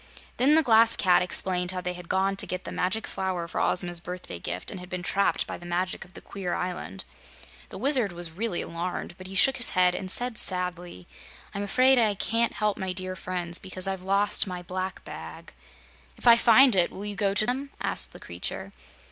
Then the Glass Cat explained how they had gone to get the Magic Flower for Ozma's birthday gift and had been trapped by the magic of the queer island. The Wizard was really alarmed, but he shook his head and said sadly: "I'm afraid I can't help my dear friends, because I've lost my black bag." "If I find it, will you go to them?" asked the creature.